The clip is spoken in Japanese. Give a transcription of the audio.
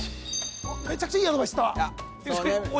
めちゃくちゃいいアドバイスしたそうね